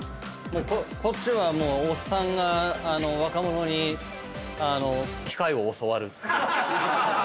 こっちはもうおっさんが若者に機械を教わるっていう。